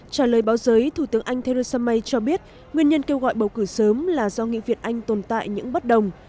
trả lời báo giới thủ tướng anh theresa may cho biết nguyên nhân kêu gọi bầu cử sớm là do nghị viện anh tồn tại những bất đồng